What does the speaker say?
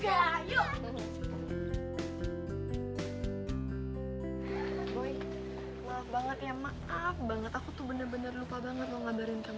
ya yuk maaf banget ya maaf banget aku tuh bener bener lupa banget mau ngabarin kamu